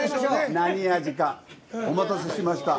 お待たせしました。